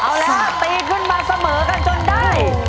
เอาละฮะตีขึ้นมาเสมอกันจนได้